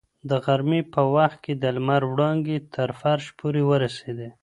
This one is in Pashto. د غرمې په وخت کې د لمر وړانګې تر فرش پورې ورسېدې.